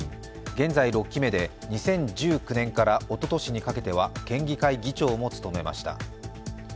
現在６期目で２０１９年からおととしにかけては県議会議長も務めました。